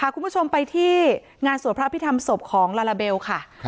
คุณผู้ชมไปที่งานสวดพระพิธรรมศพของลาลาเบลค่ะ